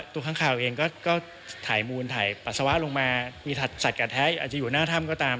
ข้างคาวเองก็ถ่ายมูลถ่ายปัสสาวะลงมามีสัตว์กัดแท้อาจจะอยู่หน้าถ้ำก็ตาม